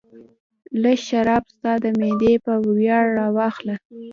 لږ شراب ستا د معدې په ویاړ راواخله.